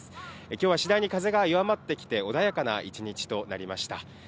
きょうは次第に風が弱まってきて、穏やかな一日となりました。